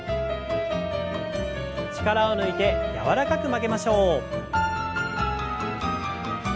力を抜いて柔らかく曲げましょう。